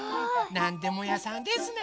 なんでもやさんですね。